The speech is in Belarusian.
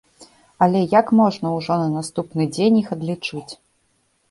Але як можна ўжо на наступны дзень іх адлічыць?